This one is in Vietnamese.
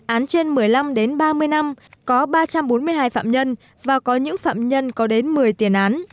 án trên một mươi năm đến ba mươi năm có ba trăm bốn mươi hai phạm nhân và có những phạm nhân có đến một mươi tiền án